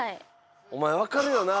「お前分かれよな」。